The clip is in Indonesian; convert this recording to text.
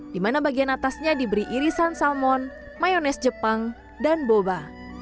di mana bagian atasnya diberi irisan salmon mayonese jepang dan boba